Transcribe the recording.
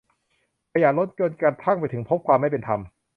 ขยะล้น จนกระทั่งไปถึง พบความไม่เป็นธรรม